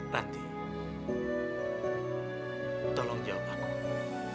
ranti tolong jawab aku